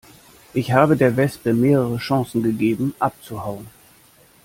Ich habe der Wespe mehrere Chancen gegeben abzuhauen.